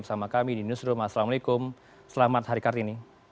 bersama kami di newsroom assalamualaikum selamat hari kartini